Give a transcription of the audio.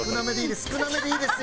少なめでいいです。